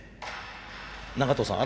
長藤さん